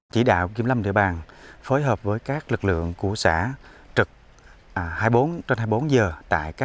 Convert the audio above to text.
chỉ đạo kiểm lâm địa bàn phối hợp với các lực lượng của xã trực hai mươi bốn h trên hai mươi bốn h tại các vùng trầm đâm cháy